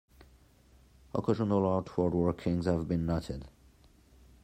Occasional outward workings have been noted.